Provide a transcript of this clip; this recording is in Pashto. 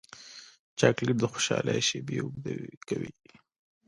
چاکلېټ د خوشحالۍ شېبې اوږدې کوي.